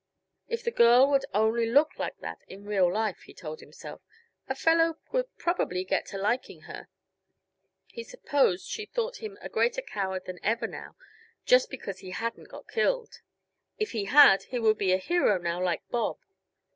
If the girl would only look like that in real life, he told himself, a fellow would probably get to liking her. He supposed she thought him a greater coward than ever now, just because he hadn't got killed. If he had, he would be a hero now, like Bob.